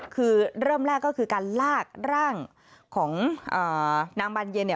คือเริ่มแรกก็คือการลากร่างของนางบรรเยน